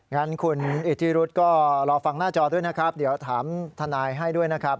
งั้นคุณอิทธิรุธก็รอฟังหน้าจอด้วยนะครับเดี๋ยวถามทนายให้ด้วยนะครับ